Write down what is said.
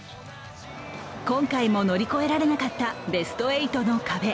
今回も乗り越えられなかったベスト８の壁。